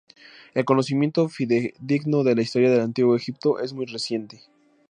El conocimiento fidedigno de la historia del antiguo Egipto es muy reciente.